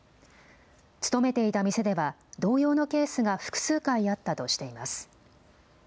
勤めていた店では同様のケースが複数回あったとしています。